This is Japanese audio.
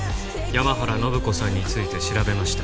山原展子さんについて調べました。